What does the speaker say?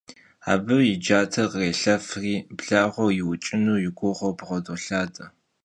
Abı yi cater khrêlhefri blağuer yiuç'ın yi guğeu bğedolhade.